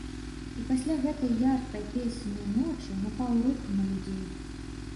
І пасля гэтай яркай, песеннай ночы, напаў рух на людзей.